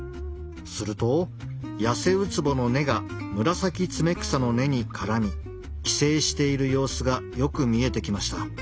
するとヤセウツボの根がムラサキツメクサの根に絡み寄生している様子がよく見えてきました。